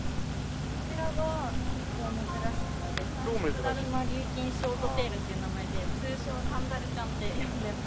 こちらが結構珍しくて三色ダルマ琉金ショートテールっていう名前で通称三ダルちゃんって呼んでます。